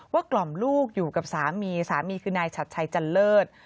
กล่อมลูกอยู่กับสามีสามีคือนายชัดชัยจันเลิศ